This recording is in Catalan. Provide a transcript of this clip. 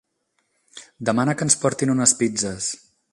Demana que ens portin unes pizzes.